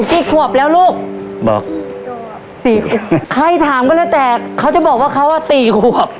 สี่ควบใครถามก็แล้วแต่เขาจะบอกว่าเขาอะสี่ควบ